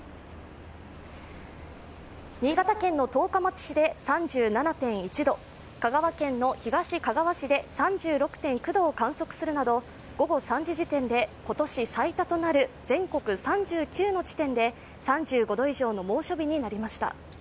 新潟県の十日町市で３７．１度香川県の東かがわ市で３６．９度を観測するなど午後３時時点で今年最多となる全国３９の地点で３５度以上の猛暑日になりました。